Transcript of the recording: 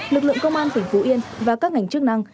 lực lượng công an tỉnh phú yên và các ngành chức năng